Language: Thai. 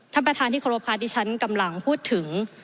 ท่านประธานที่เคารพค่ะดิฉันกำลังพูดถึง